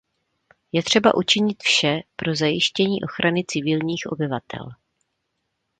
Je třeba učinit vše pro zajištění ochrany civilních obyvatel.